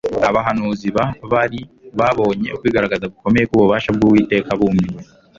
Abahanuzi ba Bali babonye ukwigaragaza gukomeye kububasha bwUwiteka bumiwe